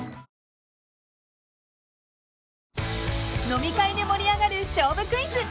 ［飲み会で盛り上がる勝負クイズ］